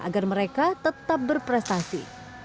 agar mereka tetap berprestasi